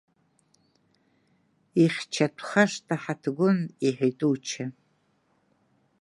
Ихьчатәхашт аҳаҭгәын, — иҳәеит Уча.